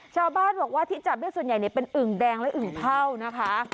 ชาวบ้านบอกว่าที่จับได้ส่วนใหญ่เป็นอึ่งแดงและอึ่งเท่านะคะ